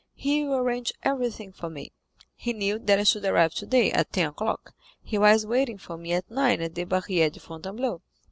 He will arrange everything for me. He knew, that I should arrive today at ten o'clock; he was waiting for me at nine at the Barrière de Fontainebleau.